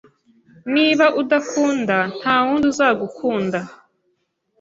Niba udakunda, ntawundi uzagukunda.